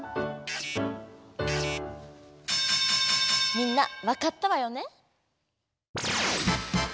みんなわかったわよね？